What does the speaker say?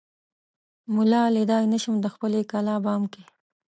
ملا ليدای نه شم دخپلې کلا بام کې